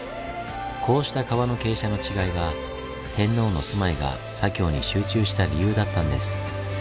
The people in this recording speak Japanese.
こうした川の傾斜の違いが天皇の住まいが左京に集中した理由だったんです。